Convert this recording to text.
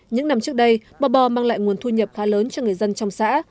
những năm trước đây bò bò mang lại nguồn thu nhập khá lớn cho người dân trong xã